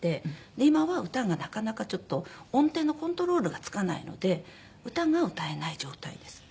今は歌がなかなかちょっと音程のコントロールがつかないので歌が歌えない状態です。